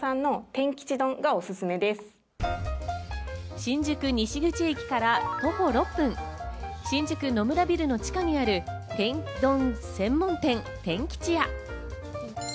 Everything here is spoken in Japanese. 新宿西口駅から徒歩６分、新宿・野村ビルの地下にある天丼専門店・天吉屋。